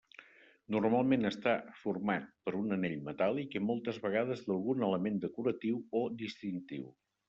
Normalment, està format per un anell metàl·lic i moltes vegades d'algun element decoratiu o distintiu.